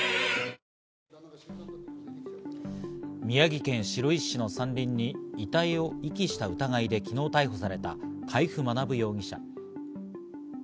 宮城県白石市の山林に遺体を遺棄した疑いで昨日逮捕された海部学容疑者。